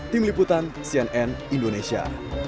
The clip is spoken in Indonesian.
tim liputan cnn indonesia